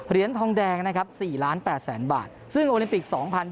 ทองแดงนะครับ๔ล้าน๘แสนบาทซึ่งโอลิมปิก๒๐๒๐